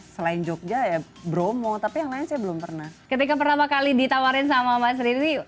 selain jogja ya bromo tapi yang lain saya belum pernah ketika pertama kali ditawarin sama mas riri